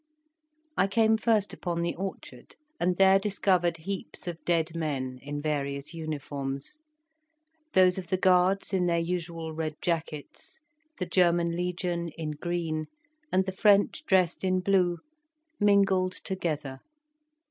I came first upon the orchard, and there discovered heaps of dead men, in various uniforms: those of the Guards in their usual red jackets, the German Legion in green, and the French dressed in blue, mingled together.